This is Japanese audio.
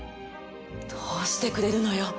どうしてくれるのよ。